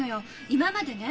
今までね